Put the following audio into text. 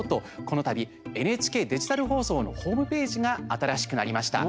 このたび、ＮＨＫデジタル放送のホームページが新しくなりました。